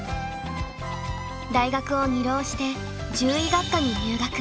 大学を２浪して獣医学科に入学。